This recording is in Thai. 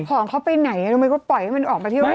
พองเขาไปไหนทำไมเขาปล่อยให้มันออกมาเที่ยวไหน